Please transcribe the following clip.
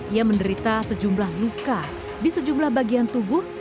ia menderita sejumlah luka di sejumlah bagian tubuh